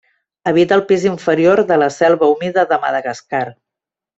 Habita el pis inferior de la selva humida de Madagascar.